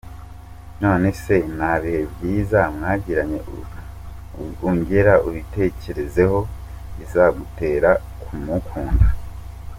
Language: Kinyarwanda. Nonese ntabihe byiza mwagiranye ungera ubitekerezeho bizagutera kumukunda.